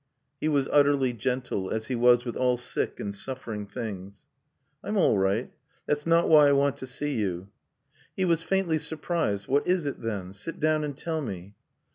He was utterly gentle, as he was with all sick and suffering things. "I'm all right. That's not why I want to see you." He was faintly surprised. "What is it, then? Sit down and tell me."